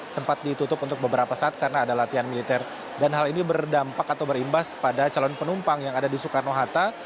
sempat ditutup untuk beberapa saat karena ada latihan militer dan hal ini berdampak atau berimbas pada calon penumpang yang ada di soekarno hatta